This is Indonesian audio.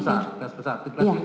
besar gelas besar di gelas tinggi